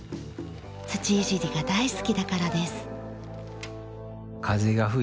土いじりが大好きだからです。